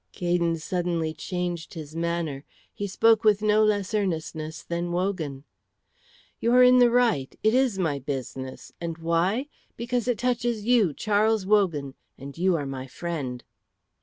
Gaydon suddenly changed his manner. He spoke with no less earnestness than Wogan, "You are in the right. It is my business, and why? Because it touches you, Charles Wogan, and you are my friend."